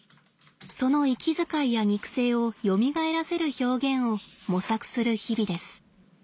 その息遣いや肉声をよみがえらせる表現を模索する日々です。